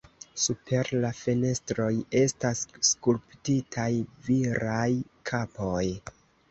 Super la fenestroj estas skulptitaj viraj kapoj.